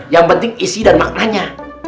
yang penting isi dan maknanya